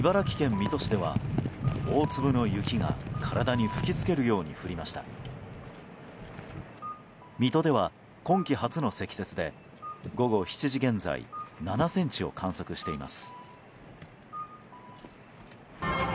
水戸では今季初の積雪で午後７時現在７ｃｍを観測しています。